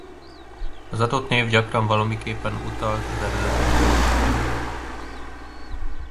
Az adott név gyakran valamiképpen utalt az eredeti utónévre.